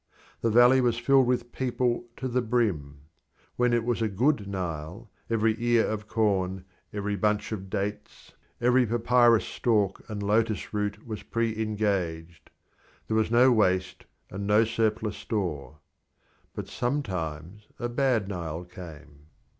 The valley was filled with people to the brim. When it was a good Nile, every ear of corn, every bunch of dates, every papyrus stalk and lotus root was pre engaged. There was no waste and no surplus store. But sometimes a bad Nile came.